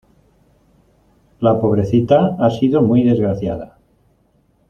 La pobrecita ha sido muy desgraciada.